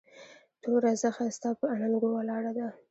توره زخه ستا پهٔ اننګو ولاړه ده